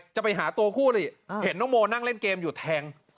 จะไปหาตัวคู่หลีเห็นน้องโมนั่งเล่นเกมอยู่แทง